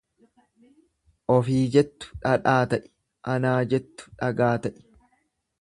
Ofii jettu dhadhaa ta'i, anaa jettu dhagaa ta'i.